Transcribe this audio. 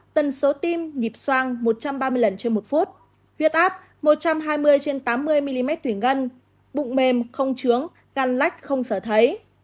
tần số tim nhịp soang một trăm ba mươi lần trên một phút huyết áp một trăm hai mươi trên tám mươi mm thủy ngân bụng mềm không trướng ngăn lách không sở thấy